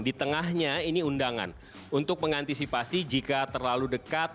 di tengahnya ini undangan untuk mengantisipasi jika terlalu dekat